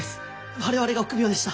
我々が臆病でした。